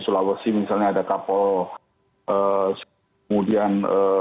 sulawesi misalnya ada kapol kemudian